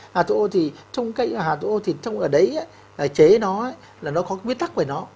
hạt thủ ô thì trong cái hạt thủ ô thì trong cái đấy là chế nó là nó có quy tắc về nó